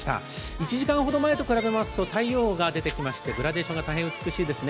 １時間ほど前と比べますと太陽が出てきまして、グラデーションが大変美しいですね。